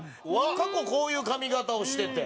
過去こういう髪形をしてて。